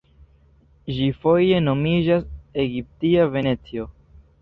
Ĝi foje nomiĝas egiptia Venecio.